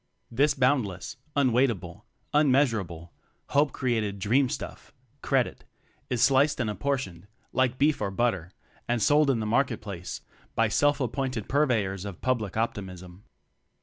This boundless, unweighable, unmea surable, hope created dream stuff ("Credit") is sliced and apportioned, like beef or butter, and sold in the market place by self appointed pur veyors of public optimism.